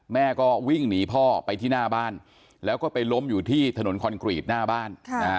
แม่ก็วิ่งหนีพ่อไปที่หน้าบ้านแล้วก็ไปล้มอยู่ที่ถนนคอนกรีตหน้าบ้าน